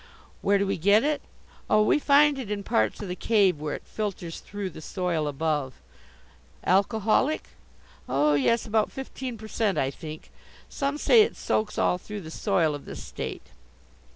Where do we get it? Oh, we find it in parts of the cave where it filters through the soil above. Alcoholic? Oh, yes, about fifteen per cent, I think. Some say it soaks all through the soil of this State.